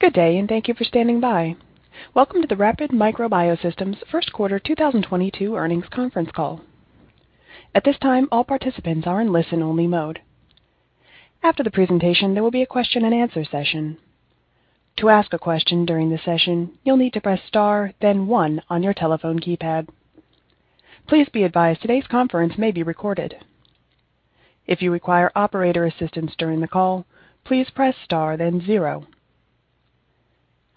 Good day, and thank you for standing by. Welcome to the Rapid Micro Biosystems first quarter 2022 earnings conference call. At this time, all participants are in listen-only mode. After the presentation, there will be a question-and-answer session. To ask a question during the session, you'll need to press star, then one on your telephone keypad. Please be advised today's conference may be recorded. If you require operator assistance during the call, please press star, then zero.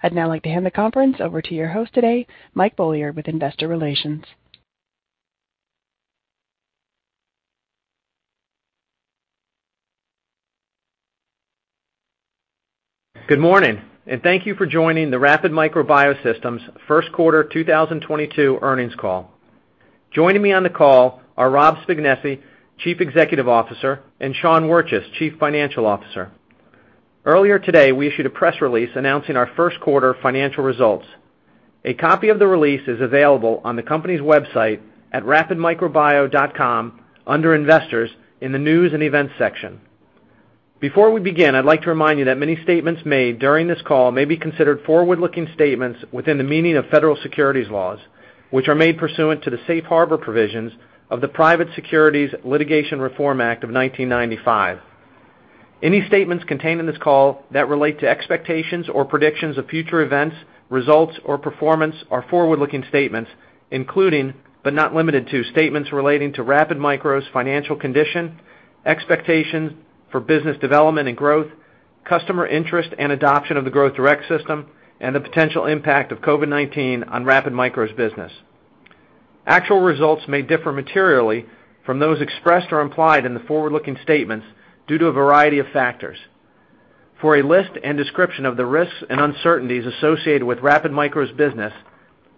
I'd now like to hand the conference over to your host today, Mike Beaulieu with Investor Relations. Good morning, and thank you for joining the Rapid Micro Biosystems first quarter 2022 earnings call. Joining me on the call are Rob Spignesi, Chief Executive Officer, and Sean Wirtjes, Chief Financial Officer. Earlier today, we issued a press release announcing our first quarter financial results. A copy of the release is available on the company's website at rapidmicrobio.com under Investors in the News & Events section. Before we begin, I'd like to remind you that many statements made during this call may be considered forward-looking statements within the meaning of federal securities laws, which are made pursuant to the Safe Harbor provisions of the Private Securities Litigation Reform Act of 1995. Any statements contained in this call that relate to expectations or predictions of future events, results, or performance are forward-looking statements, including, but not limited to, statements relating to Rapid Micro's financial condition, expectations for business development and growth, customer interest and adoption of the Growth Direct system, and the potential impact of COVID-19 on Rapid Micro's business. Actual results may differ materially from those expressed or implied in the forward-looking statements due to a variety of factors. For a list and description of the risks and uncertainties associated with Rapid Micro's business,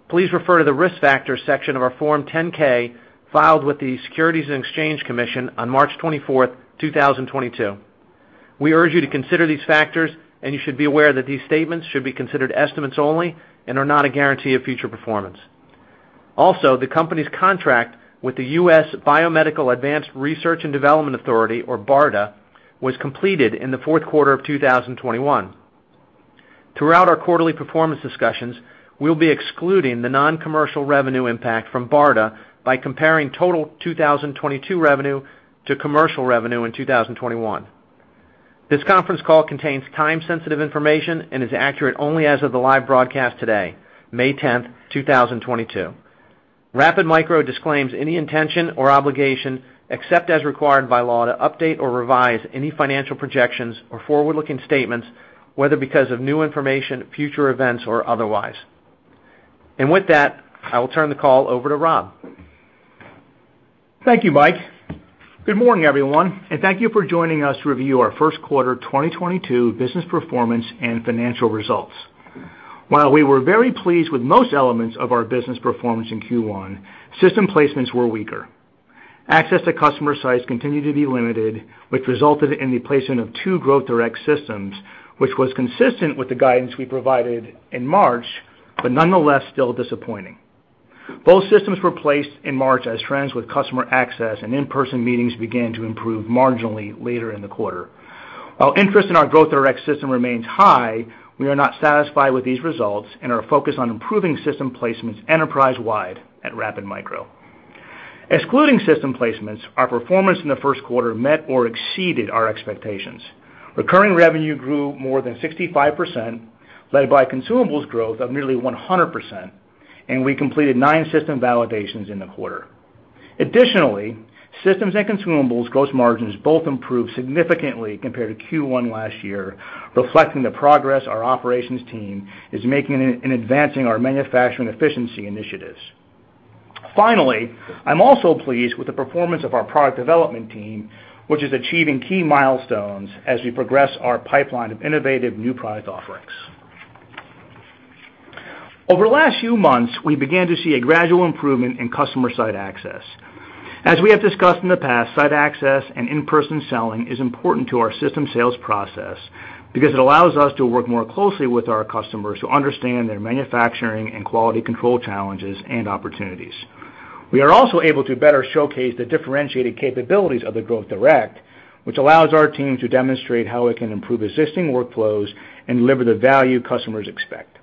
please refer to the Risk Factors section of our Form 10-K filed with the Securities and Exchange Commission on March 24, 2022. We urge you to consider these factors, and you should be aware that these statements should be considered estimates only and are not a guarantee of future performance. Also, the company's contract with the US Biomedical Advanced Research and Development Authority, or BARDA, was completed in the fourth quarter of 2021. Throughout our quarterly performance discussions, we'll be excluding the non-commercial revenue impact from BARDA by comparing total 2022 revenue to commercial revenue in 2021. This conference call contains time-sensitive information and is accurate only as of the live broadcast today, May 10, 2022. Rapid Micro disclaims any intention or obligation, except as required by law, to update or revise any financial projections or forward-looking statements, whether because of new information, future events, or otherwise. With that, I will turn the call over to Rob. Thank you, Mike. Good morning, everyone, and thank you for joining us to review our first quarter 2022 business performance and financial results. While we were very pleased with most elements of our business performance in Q1, system placements were weaker. Access to customer sites continued to be limited, which resulted in the placement of two Growth Direct systems, which was consistent with the guidance we provided in March, but nonetheless still disappointing. Both systems were placed in March as trends with customer access and in-person meetings began to improve marginally later in the quarter. While interest in our Growth Direct system remains high, we are not satisfied with these results and are focused on improving system placements enterprise-wide at Rapid Micro. Excluding system placements, our performance in the first quarter met or exceeded our expectations. Recurring revenue grew more than 65%, led by consumables growth of nearly 100%, and we completed nine system validations in the quarter. Additionally, systems and consumables gross margins both improved significantly compared to Q1 last year, reflecting the progress our operations team is making in advancing our manufacturing efficiency initiatives. Finally, I'm also pleased with the performance of our product development team, which is achieving key milestones as we progress our pipeline of innovative new product offerings. Over the last few months, we began to see a gradual improvement in customer site access. As we have discussed in the past, site access and in-person selling is important to our system sales process because it allows us to work more closely with our customers to understand their manufacturing and quality control challenges and opportunities. We are also able to better showcase the differentiated capabilities of the Growth Direct, which allows our team to demonstrate how it can improve existing workflows and deliver the value customers expect.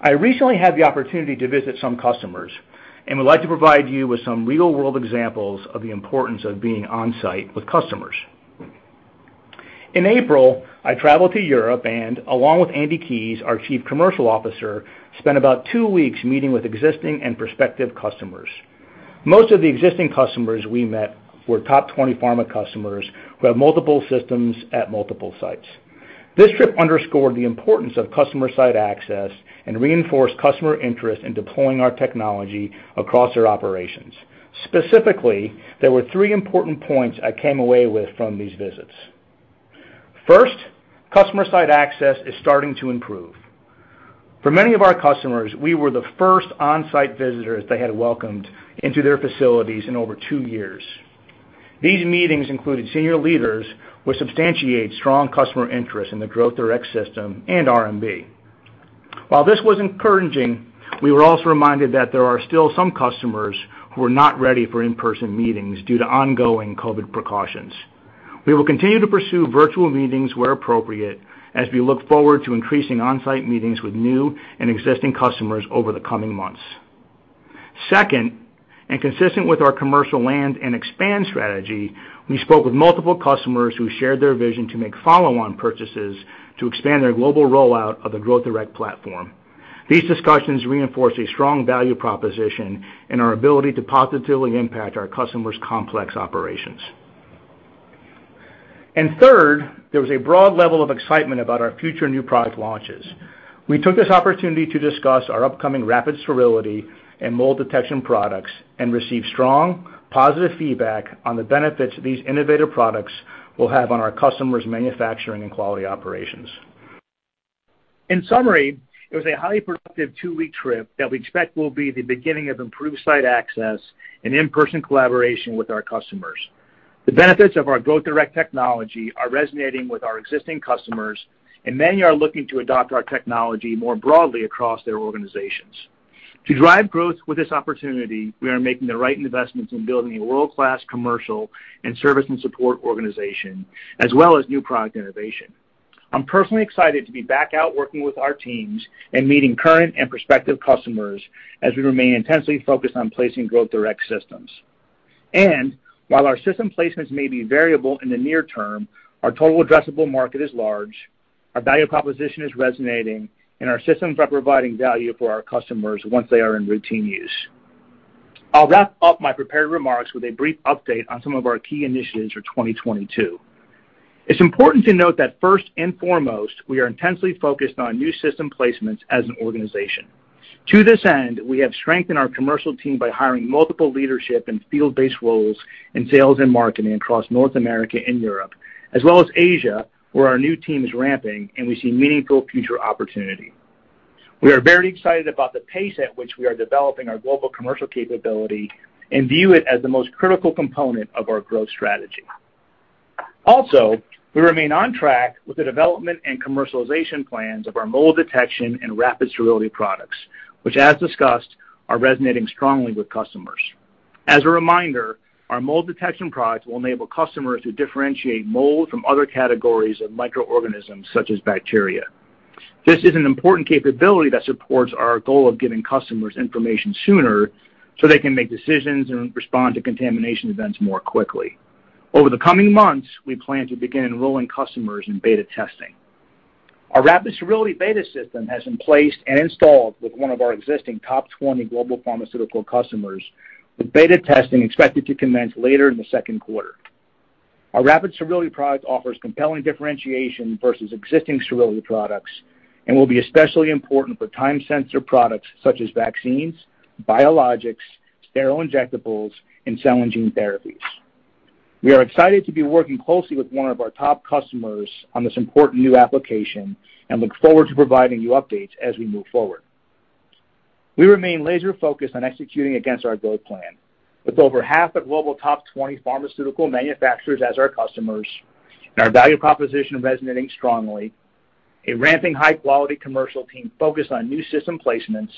I recently had the opportunity to visit some customers and would like to provide you with some real-world examples of the importance of being on-site with customers. In April, I traveled to Europe and, along with Andy Keys, our Chief Commercial Officer, spent about two weeks meeting with existing and prospective customers. Most of the existing customers we met were top 20 pharma customers who have multiple systems at multiple sites. This trip underscored the importance of customer site access and reinforced customer interest in deploying our technology across their operations. Specifically, there were three important points I came away with from these visits. First, customer site access is starting to improve. For many of our customers, we were the first on-site visitors they had welcomed into their facilities in over two years. These meetings included senior leaders, which substantiate strong customer interest in the Growth Direct system and RMB. While this was encouraging, we were also reminded that there are still some customers who are not ready for in-person meetings due to ongoing COVID precautions. We will continue to pursue virtual meetings where appropriate as we look forward to increasing on-site meetings with new and existing customers over the coming months. Second, and consistent with our commercial land and expand strategy, we spoke with multiple customers who shared their vision to make follow-on purchases to expand their global rollout of the Growth Direct platform. These discussions reinforce a strong value proposition and our ability to positively impact our customers' complex operations. Third, there was a broad level of excitement about our future new product launches. We took this opportunity to discuss our upcoming Rapid Sterility and mold detection products and received strong, positive feedback on the benefits these innovative products will have on our customers' manufacturing and quality operations. In summary, it was a highly productive two-week trip that we expect will be the beginning of improved site access and in-person collaboration with our customers. The benefits of our Growth Direct technology are resonating with our existing customers, and many are looking to adopt our technology more broadly across their organizations. To drive growth with this opportunity, we are making the right investments in building a world-class commercial and service and support organization, as well as new product innovation. I'm personally excited to be back out working with our teams and meeting current and prospective customers as we remain intensely focused on placing Growth Direct systems. While our system placements may be variable in the near term, our total addressable market is large, our value proposition is resonating, and our systems are providing value for our customers once they are in routine use. I'll wrap up my prepared remarks with a brief update on some of our key initiatives for 2022. It's important to note that first and foremost, we are intensely focused on new system placements as an organization. To this end, we have strengthened our commercial team by hiring multiple leadership and field-based roles in sales and marketing across North America and Europe, as well as Asia, where our new team is ramping and we see meaningful future opportunity. We are very excited about the pace at which we are developing our global commercial capability and view it as the most critical component of our growth strategy. Also, we remain on track with the development and commercialization plans of our mold detection and Rapid Sterility products, which, as discussed, are resonating strongly with customers. As a reminder, our mold detection products will enable customers to differentiate mold from other categories of microorganisms such as bacteria. This is an important capability that supports our goal of giving customers information sooner so they can make decisions and respond to contamination events more quickly. Over the coming months, we plan to begin enrolling customers in beta testing. Our Rapid Sterility beta system has been placed and installed with one of our existing top 20 global pharmaceutical customers, with beta testing expected to commence later in the second quarter. Our Rapid Sterility product offers compelling differentiation versus existing sterility products and will be especially important for time-sensitive products such as vaccines, biologics, sterile injectables, and cell and gene therapies. We are excited to be working closely with one of our top customers on this important new application and look forward to providing you updates as we move forward. We remain laser-focused on executing against our growth plan. With over half of global top 20 pharmaceutical manufacturers as our customers and our value proposition resonating strongly, a ramping high-quality commercial team focused on new system placements,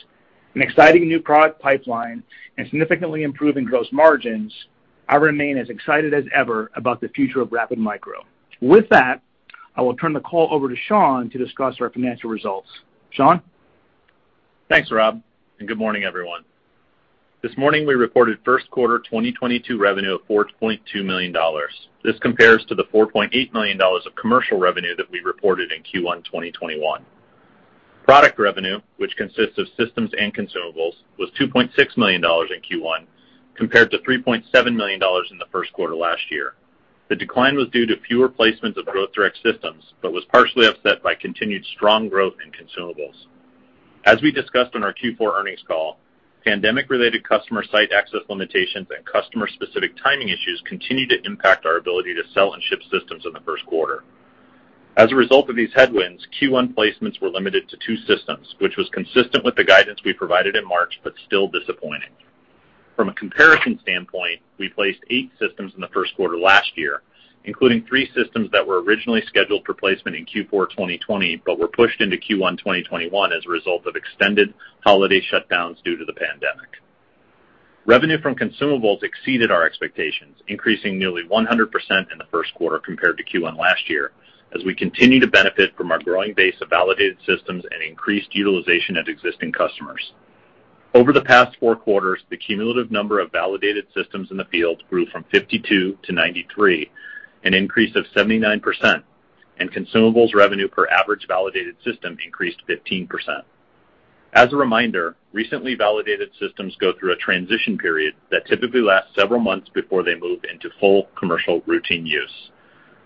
an exciting new product pipeline, and significantly improving gross margins, I remain as excited as ever about the future of Rapid Micro. With that, I will turn the call over to Sean to discuss our financial results. Sean? Thanks, Rob, and good morning, everyone. This morning we reported first quarter 2022 revenue of $4.2 million. This compares to the $4.8 million of commercial revenue that we reported in Q1 2021. Product revenue, which consists of systems and consumables, was $2.6 million in Q1 compared to $3.7 million in the first quarter last year. The decline was due to fewer placements of Growth Direct systems but was partially offset by continued strong growth in consumables. As we discussed on our Q4 earnings call, pandemic-related customer site access limitations and customer-specific timing issues continued to impact our ability to sell and ship systems in the first quarter. As a result of these headwinds, Q1 placements were limited to two systems, which was consistent with the guidance we provided in March but still disappointing. From a comparison standpoint, we placed eight systems in the first quarter last year, including three systems that were originally scheduled for placement in Q4 2020 but were pushed into Q1 2021 as a result of extended holiday shutdowns due to the pandemic. Revenue from consumables exceeded our expectations, increasing nearly 100% in the first quarter compared to Q1 last year, as we continue to benefit from our growing base of validated systems and increased utilization at existing customers. Over the past four quarters, the cumulative number of validated systems in the field grew from 52-93, an increase of 79%, and consumables revenue per average validated system increased 15%. As a reminder, recently validated systems go through a transition period that typically lasts several months before they move into full commercial routine use.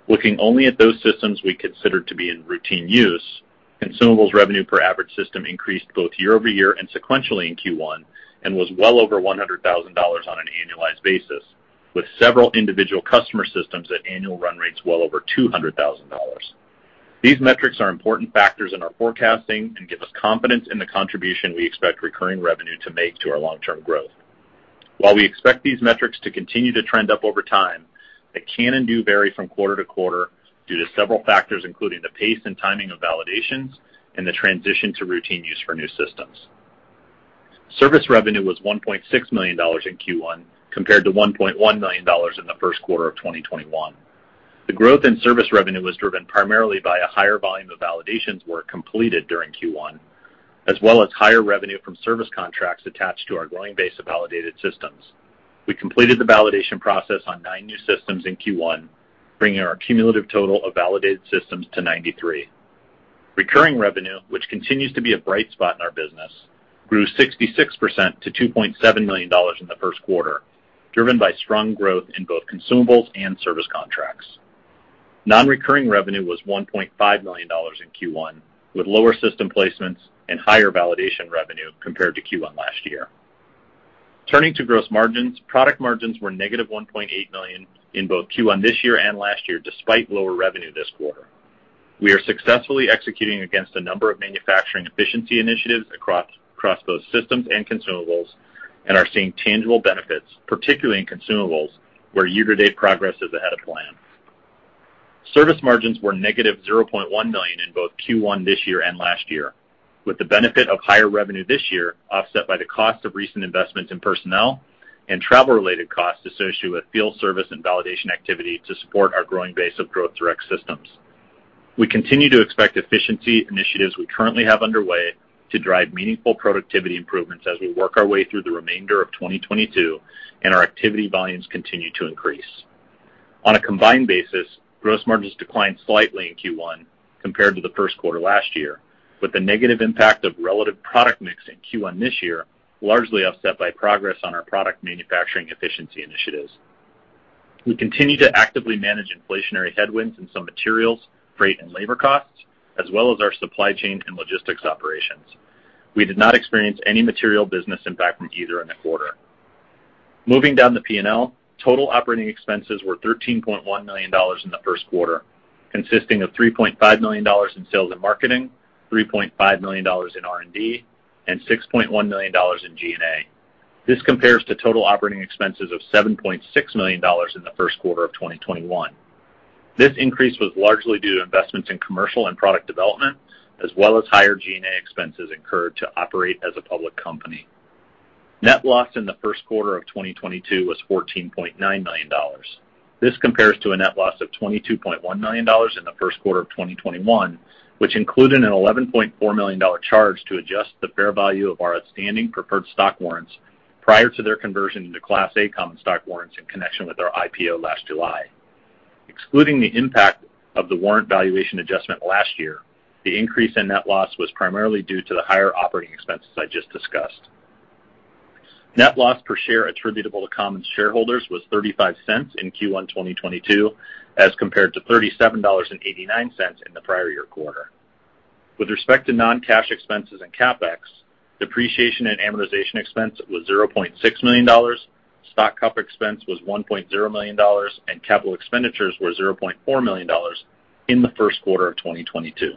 Looking only at those systems we consider to be in routine use, consumables revenue per average system increased both year-over-year and sequentially in Q1 and was well over $100,000 on an annualized basis, with several individual customer systems at annual run rates well over $200,000. These metrics are important factors in our forecasting and give us confidence in the contribution we expect recurring revenue to make to our long-term growth. While we expect these metrics to continue to trend up over time, they can and do vary from quarter to quarter due to several factors, including the pace and timing of validations and the transition to routine use for new systems. Service revenue was $1.6 million in Q1, compared to $1.1 million in the first quarter of 2021. The growth in service revenue was driven primarily by a higher volume of validations work completed during Q1, as well as higher revenue from service contracts attached to our growing base of validated systems. We completed the validation process on nine new systems in Q1, bringing our cumulative total of validated systems to 93. Recurring revenue, which continues to be a bright spot in our business, grew 66% to $2.7 million in the first quarter, driven by strong growth in both consumables and service contracts. Non-recurring revenue was $1.5 million in Q1, with lower system placements and higher validation revenue compared to Q1 last year. Turning to gross margins, product margins were negative $1.8 million in both Q1 this year and last year, despite lower revenue this quarter. We are successfully executing against a number of manufacturing efficiency initiatives across both systems and consumables and are seeing tangible benefits, particularly in consumables, where year-to-date progress is ahead of plan. Service margins were -$0.1 million in both Q1 this year and last year, with the benefit of higher revenue this year offset by the cost of recent investments in personnel and travel-related costs associated with field service and validation activity to support our growing base of Growth Direct systems. We continue to expect efficiency initiatives we currently have underway to drive meaningful productivity improvements as we work our way through the remainder of 2022 and our activity volumes continue to increase. On a combined basis, gross margins declined slightly in Q1 compared to the first quarter last year, with the negative impact of relative product mix in Q1 this year largely offset by progress on our product manufacturing efficiency initiatives. We continue to actively manage inflationary headwinds in some materials, freight and labor costs, as well as our supply chain and logistics operations. We did not experience any material business impact from either in the quarter. Moving down the P&L, total operating expenses were $13.1 million in the first quarter, consisting of $3.5 million in sales and marketing, $3.5 million in R&D, and $6.1 million in G&A. This compares to total operating expenses of $7.6 million in the first quarter of 2021. This increase was largely due to investments in commercial and product development, as well as higher G&A expenses incurred to operate as a public company. Net loss in the first quarter of 2022 was $14.9 million. This compares to a net loss of $22.1 million in the first quarter of 2021, which included an $11.4 million charge to adjust the fair value of our outstanding preferred stock warrants prior to their conversion into Class A common stock warrants in connection with our IPO last July. Excluding the impact of the warrant valuation adjustment last year, the increase in net loss was primarily due to the higher operating expenses I just discussed. Net loss per share attributable to common shareholders was $0.35 in Q1 2022 as compared to $37.89 in the prior year quarter. With respect to non-cash expenses and CapEx, depreciation and amortization expense was $0.6 million, stock comp expense was $1.0 million, and capital expenditures were $0.4 million in the first quarter of 2022.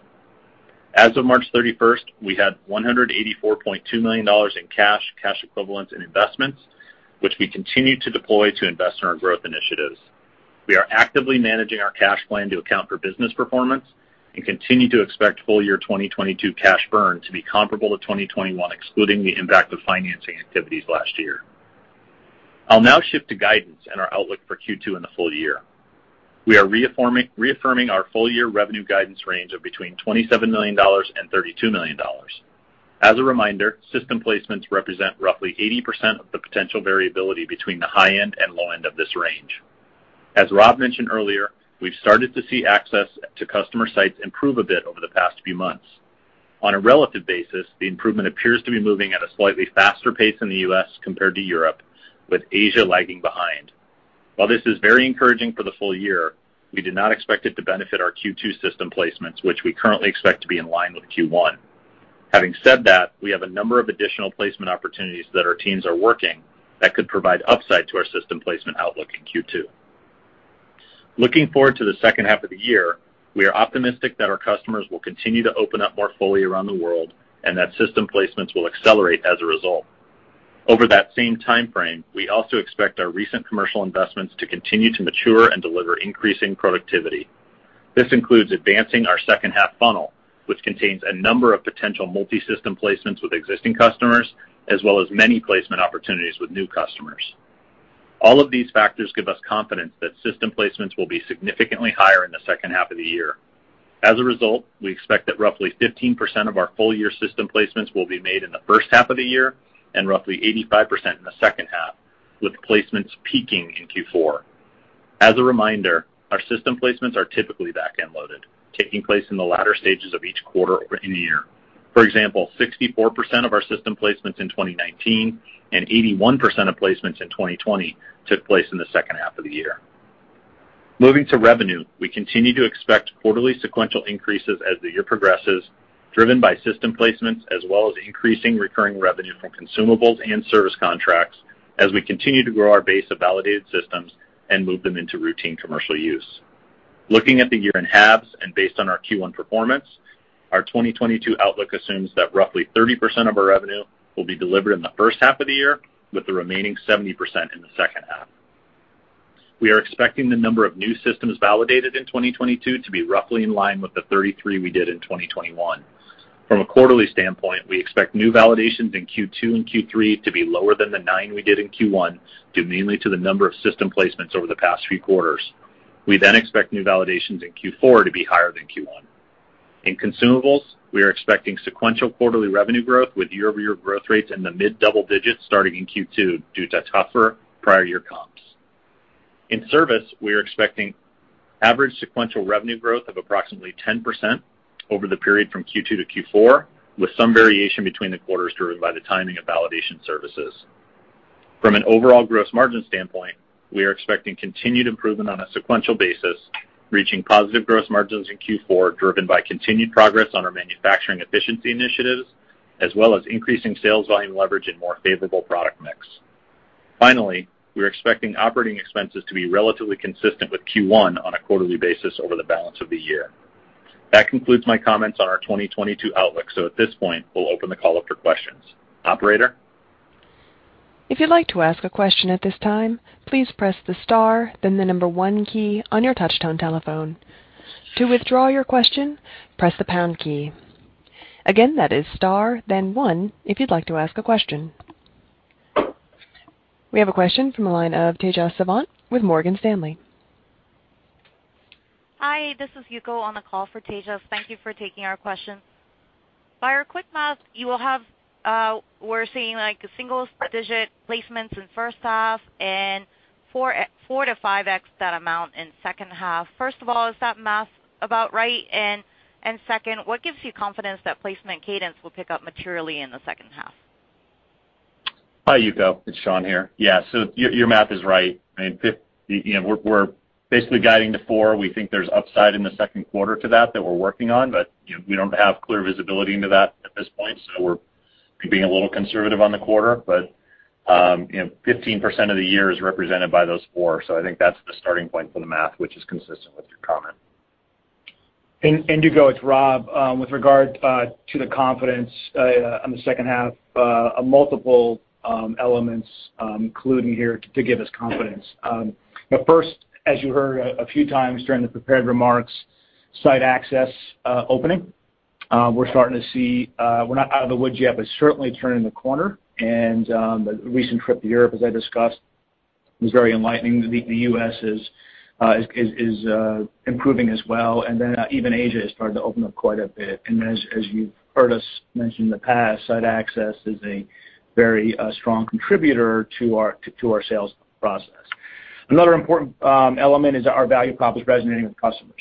As of March 31, we had $184.2 million in cash equivalents and investments, which we continue to deploy to invest in our growth initiatives. We are actively managing our cash plan to account for business performance and continue to expect full year 2022 cash burn to be comparable to 2021, excluding the impact of financing activities last year. I'll now shift to guidance and our outlook for Q2 and the full year. We are reaffirming our full year revenue guidance range of between $27 million and $32 million. As a reminder, system placements represent roughly 80% of the potential variability between the high end and low end of this range. As Rob mentioned earlier, we've started to see access to customer sites improve a bit over the past few months. On a relative basis, the improvement appears to be moving at a slightly faster pace in the U.S. compared to Europe, with Asia lagging behind. While this is very encouraging for the full year, we do not expect it to benefit our Q2 system placements, which we currently expect to be in line with Q1. Having said that, we have a number of additional placement opportunities that our teams are working that could provide upside to our system placement outlook in Q2. Looking forward to the second half of the year, we are optimistic that our customers will continue to open up more fully around the world and that system placements will accelerate as a result. Over that same time frame, we also expect our recent commercial investments to continue to mature and deliver increasing productivity. This includes advancing our second half funnel, which contains a number of potential multi-system placements with existing customers, as well as many placement opportunities with new customers. All of these factors give us confidence that system placements will be significantly higher in the second half of the year. As a result, we expect that roughly 15% of our full year system placements will be made in the first half of the year and roughly 85% in the second half, with placements peaking in Q4. As a reminder, our system placements are typically back-end loaded, taking place in the latter stages of each quarter or in the year. For example, 64% of our system placements in 2019 and 81% of placements in 2020 took place in the second half of the year. Moving to revenue, we continue to expect quarterly sequential increases as the year progresses, driven by system placements as well as increasing recurring revenue from consumables and service contracts as we continue to grow our base of validated systems and move them into routine commercial use. Looking at the year in halves and based on our Q1 performance, our 2022 outlook assumes that roughly 30% of our revenue will be delivered in the first half of the year, with the remaining 70% in the second half. We are expecting the number of new systems validated in 2022 to be roughly in line with the 33 we did in 2021. From a quarterly standpoint, we expect new validations in Q2 and Q3 to be lower than the nine we did in Q1, due mainly to the number of system placements over the past few quarters. We then expect new validations in Q4 to be higher than Q1. In consumables, we are expecting sequential quarterly revenue growth with year-over-year growth rates in the mid-double digits starting in Q2 due to tougher prior year comps. In service, we are expecting average sequential revenue growth of approximately 10% over the period from Q2-Q4, with some variation between the quarters driven by the timing of validation services. From an overall gross margin standpoint, we are expecting continued improvement on a sequential basis, reaching positive gross margins in Q4, driven by continued progress on our manufacturing efficiency initiatives as well as increasing sales volume leverage and more favorable product mix. Finally, we're expecting operating expenses to be relatively consistent with Q1 on a quarterly basis over the balance of the year. That concludes my comments on our 2022 outlook. At this point, we'll open the call up for questions. Operator? If you'd like to ask a question at this time, please press the star, then the number one key on your touchtone telephone. To withdraw your question, press the pound key. Again, that is star, then one if you'd like to ask a question. We have a question from the line of Tejas Savant with Morgan Stanley. Hi, this is Yuko on the call for Tejas. Thank you for taking our questions. By our quick math, you will have, we're seeing like single-digit placements in first half and 4x-5x that amount in second half. First of all, is that math about right? Second, what gives you confidence that placement cadence will pick up materially in the second half? Hi, Yuko. It's Sean here. Yeah. Your math is right. I mean, you know, we're basically guiding to four. We think there's upside in the second quarter to that we're working on. You know, we don't have clear visibility into that at this point, so we're being a little conservative on the quarter. You know, 15% of the year is represented by those four. I think that's the starting point for the math, which is consistent with your comment. Yuko, it's Rob. With regard to the confidence on the second half, multiple elements colluding here to give us confidence. First, as you heard a few times during the prepared remarks, site access opening, we're starting to see, we're not out of the woods yet, but certainly turning the corner. The recent trip to Europe, as I discussed, was very enlightening. The U.S. is improving as well. Even Asia has started to open up quite a bit. As you've heard us mention in the past, site access is a very strong contributor to our sales process. Another important element is our value prop is resonating with customers.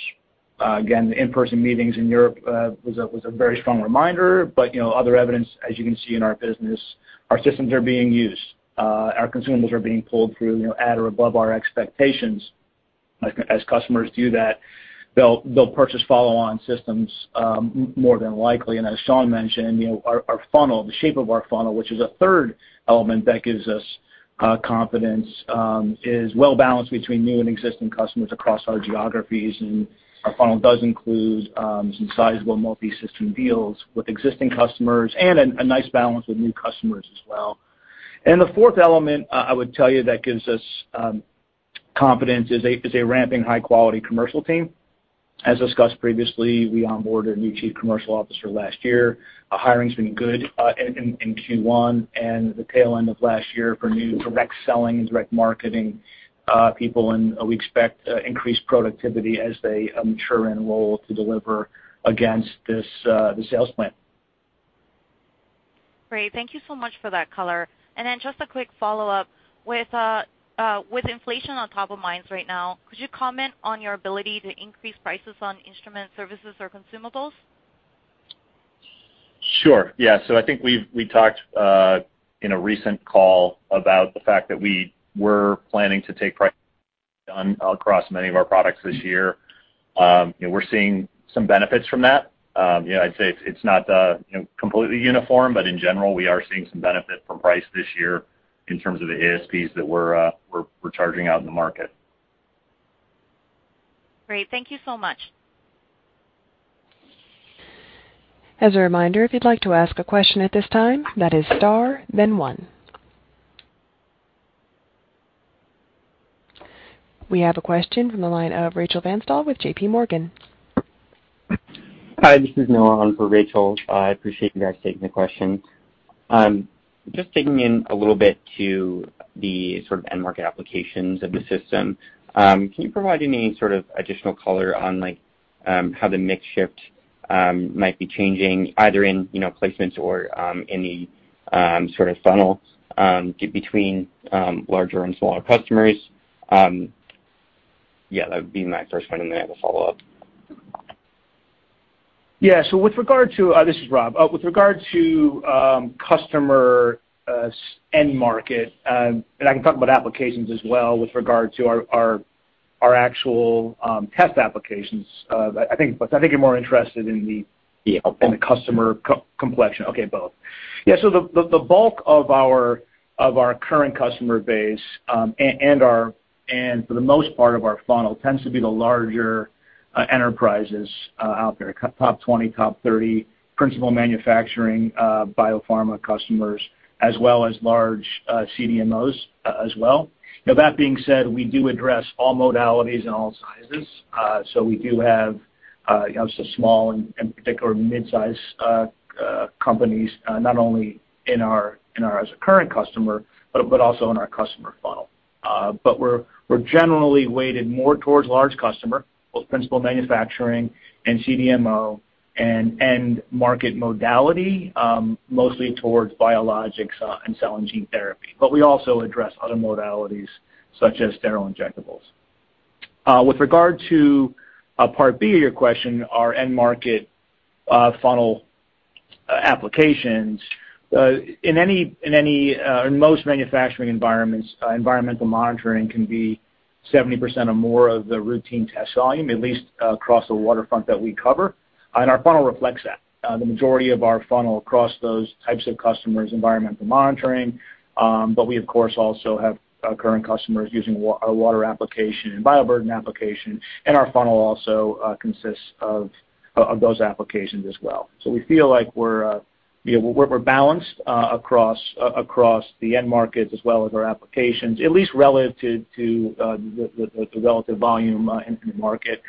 Again, the in-person meetings in Europe was a very strong reminder. You know, other evidence, as you can see in our business, our systems are being used, our consumables are being pulled through, you know, at or above our expectations. As customers do that, they'll purchase follow-on systems, more than likely. As Sean mentioned, you know, our funnel, the shape of our funnel, which is a third element that gives us confidence, is well balanced between new and existing customers across our geographies. Our funnel does include some sizable multi-system deals with existing customers and a nice balance with new customers as well. The fourth element I would tell you that gives us confidence is a ramping high-quality commercial team. As discussed previously, we onboarded a new Chief Commercial Officer last year. Hiring's been good in Q1 and the tail end of last year for new direct selling and direct marketing people. We expect increased productivity as they mature in role to deliver against this, the sales plan. Great. Thank you so much for that color. Just a quick follow-up. With inflation on top of minds right now, could you comment on your ability to increase prices on instrument services or consumables? Sure. Yeah. I think we talked in a recent call about the fact that we were planning to take pricing up across many of our products this year. You know, we're seeing some benefits from that. You know, I'd say it's not completely uniform, but in general, we are seeing some benefit from price this year in terms of the ASPs that we're charging out in the market. Great. Thank you so much. As a reminder, if you'd like to ask a question at this time, that is star, then one. We have a question from the line of Rachel Vatnsdal with JPMorgan. Hi, this is Noah on for Rachel. I appreciate you guys taking the question. Just digging in a little bit to the sort of end market applications of the system, can you provide any sort of additional color on like, how the mix shift might be changing either in, you know, placements or, any sort of funnel, between larger and smaller customers? Yeah, that would be my first one, and then I have a follow-up. Yeah. This is Rob. With regard to customer end market, and I can talk about applications as well with regard to our actual test applications. But I think you're more interested in the Yeah. In the customer composition. Okay, both. Yeah. The bulk of our current customer base and for the most part of our funnel tends to be the larger enterprises out there. Top 20, top 30 principal manufacturing biopharma customers, as well as large CDMOs as well. Now that being said, we do address all modalities and all sizes. We do have you know some small and particular mid-size companies not only in our customer base as current customers but also in our customer funnel. But we're generally weighted more towards large customers both principal manufacturing and CDMO and end market modality mostly towards biologics and cell and gene therapy. But we also address other modalities such as sterile injectables. With regard to part B of your question, our end market funnel applications in most manufacturing environments, environmental monitoring can be 70% or more of the routine test volume, at least across the waterfront that we cover. Our funnel reflects that. The majority of our funnel across those types of customers, environmental monitoring. We of course also have current customers using water application and bioburden application, and our funnel also consists of those applications as well. We feel like we're, you know, we're balanced across the end markets as well as our applications, at least relative to the relative volume in the market.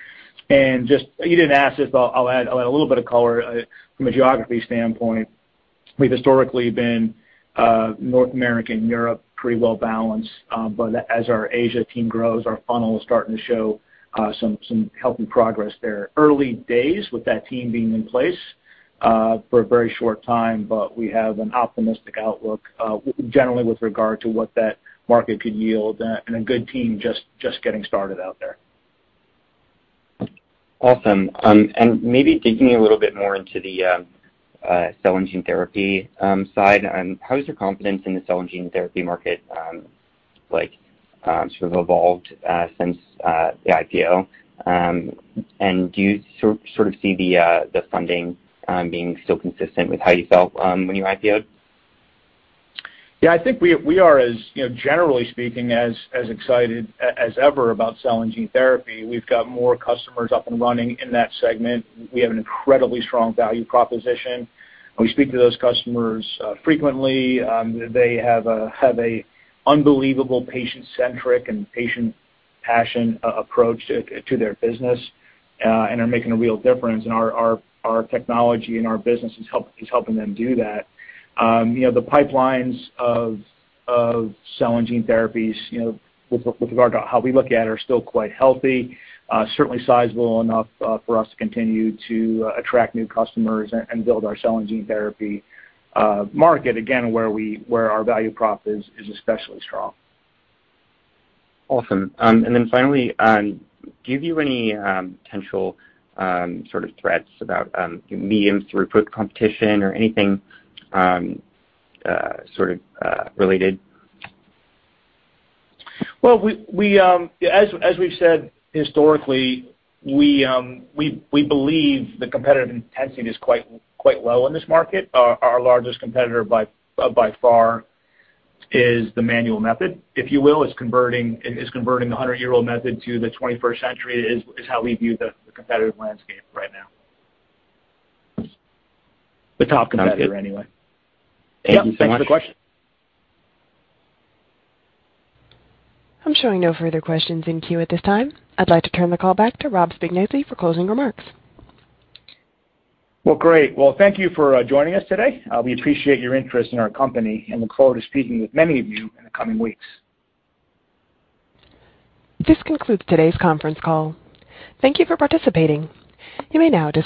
Just, you didn't ask this, but I'll add a little bit of color from a geography standpoint. We've historically been North American, Europe, pretty well balanced. As our Asia team grows, our funnel is starting to show some healthy progress there. Early days with that team being in place for a very short time, but we have an optimistic outlook generally with regard to what that market could yield and a good team just getting started out there. Awesome. Maybe digging a little bit more into the cell and gene therapy side, how has your confidence in the cell and gene therapy market, like, sort of evolved, since the IPO? Do you sort of see the funding being still consistent with how you felt, when you IPO'd? Yeah, I think we are, you know, generally speaking, as excited as ever about cell and gene therapy. We've got more customers up and running in that segment. We have an incredibly strong value proposition. We speak to those customers frequently. They have an unbelievable patient-centric and patient passion approach to their business and are making a real difference. Our technology and our business is helping them do that. You know, the pipelines of cell and gene therapies you know, with regard to how we look at are still quite healthy, certainly sizable enough for us to continue to attract new customers and build our cell and gene therapy market, again, where our value prop is especially strong. Awesome. Finally, do you have any potential sort of threats about medium throughput competition or anything sort of related? Well, as we've said historically, we believe the competitive intensity is quite low in this market. Our largest competitor by far is the manual method. If you will, it is converting the hundred-year-old method to the twenty-first century, is how we view the competitive landscape right now. The top competitor anyway. Sounds good. Yeah. Thanks for the question. I'm showing no further questions in queue at this time. I'd like to turn the call back to Rob Spignesi for closing remarks. Well, great. Well, thank you for joining us today. We appreciate your interest in our company and look forward to speaking with many of you in the coming weeks. This concludes today's conference call. Thank you for participating. You may now disconnect.